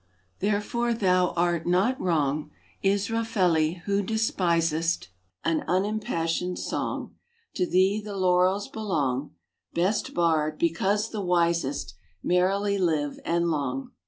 Therefore thou art not wrong, Israfeli, who despisest An unimpassioned song; To thee the laurels belong, Best bard, because the wisest: Merrily live, and long!